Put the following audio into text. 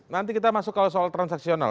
nanti kita masuk kalau soal transaksional